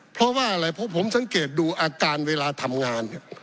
เพราะว่าอะไรเพราะผมสังเกตดูอาการเวลาทำงาน